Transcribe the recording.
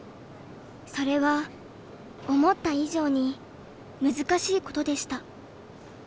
それは思った以上に難しいことでした。